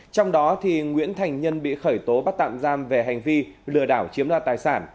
trong đó nguyễn thành nhân bị khởi tố bắt tạm giam về hành vi lừa đảo chiếm đoạt tài sản